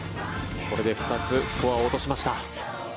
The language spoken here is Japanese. これで２つスコアを落としました。